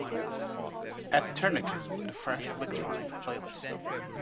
Add Tourniquet to the fresh electronic playlist.